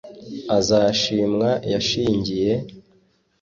azabishima yashyingiye !